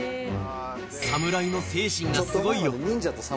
侍の精神がすごいよ。